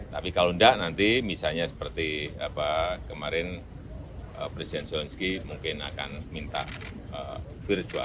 tapi kalau enggak nanti misalnya seperti kemarin presiden zelensky mungkin akan minta virtual